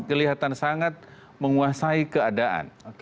kelihatan sangat menguasai keadaan